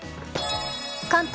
関東